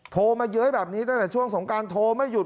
โทรมาเย้ยแบบนี้ตั้งแต่ช่วงสงการโทรไม่หยุด